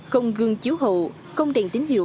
không gương chiếu hậu không đèn tín hiệu